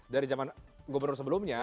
dari zaman gubernur sebelumnya